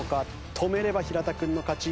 止めれば平田君の勝ち。